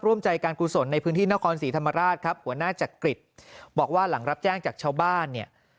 ร่วมใจการกุศลในพื้นที่นครศรีธรรมราชครับหัวหน้าจักริตบอกว่าหลังรับแจ้งจากชาวบ้านเนี่ย